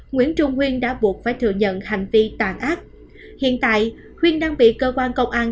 nguyễn trung huyên đã buộc phải thừa nhận hành vi tàn ác hiện tại khuyên đang bị cơ quan công an